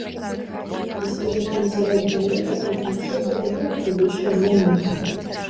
На скрыжаванні сярэдняга нефа з трансепта знаходзіцца вежка-званніца.